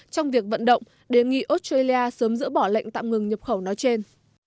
trong việc vận động đề nghị australia sớm dỡ bỏ lệnh tạm ngừng nhập khẩu nói trên